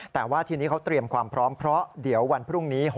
แต่ว่าทีนี้เขาเตรียมความพร้อมเพราะเดี๋ยววันพรุ่งนี้